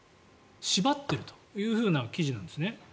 縛っているという記事なんです。